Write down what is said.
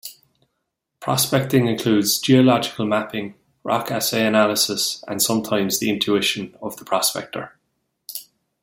Prospecting includes geological mapping, rock assay analysis, and sometimes the intuition of the prospector.